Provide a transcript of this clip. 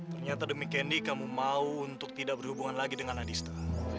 ternyata demikiandi kamu mau untuk tidak berhubungan lagi dengan adista